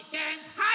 はい！